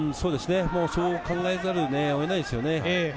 そう考えざるをえないですね。